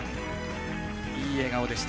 いい笑顔でした。